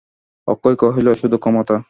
অক্ষয় কহিল, শুধু ক্ষমতা!